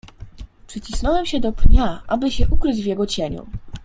"Przycisnąłem się do pnia, aby się ukryć w jego cieniu."